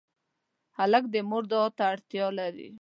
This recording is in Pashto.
هلک د مور دعا ته اړتیا لري.